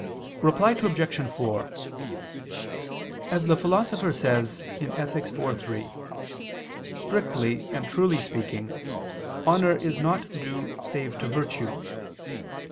Reply Obj. 4: As the Philosopher says (Ethic. iv, 3), strictly and truly speaking honor is not due save to virtue.